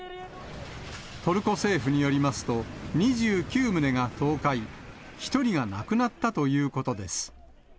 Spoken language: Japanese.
トルコ政府によりますと、２９棟が倒壊、１人が亡くなったということです。